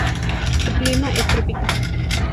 Su clima es tropical.